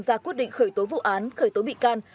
ra quyết định khởi tố vụ án khởi tố bị can